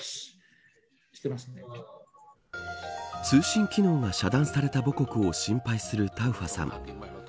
通信機能が遮断された母国を心配するタウファさん。